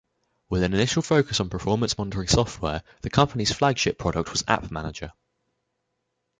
With an initial focus on performance-monitoring software, the company's flagship product was AppManager.